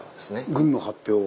軍の発表を。